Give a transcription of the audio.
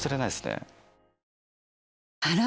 あら？